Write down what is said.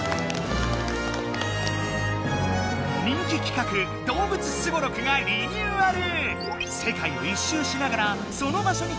人気企画「動物スゴロク」がリニューアル！